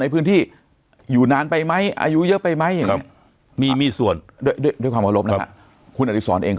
ในพื้นที่อยู่นานไปไหมอายุเยอะไปไหมครับมีส่วนด้วยความอารมณ์ครับคุณอาทิสรเองก็๗๐